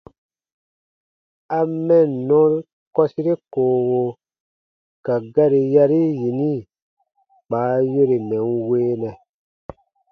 A « mɛnnɔ » kɔsire koowo ka gari yari yini kpa a yore mɛ̀ n weenɛ.